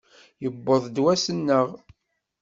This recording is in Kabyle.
Yewweḍ-d wass-nneɣ!